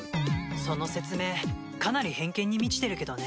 その説明かなり偏見に満ちてるけどね。